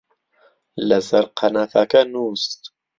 لەسەر قەنەفەکە نووست